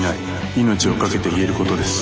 命をかけて言えることです」。